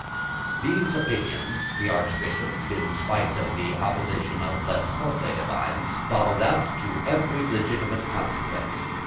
These opinions the Archbishop, in spite of the opposition of less courtly divines, followed out to every legitimate consequence.